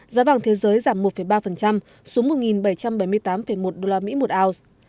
giá vàng thế giới giảm một ba xuống một bảy trăm bảy mươi tám một usd một ounce